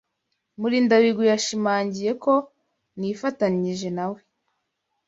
Murindabigwi yashimangiye ko nifatanije na we.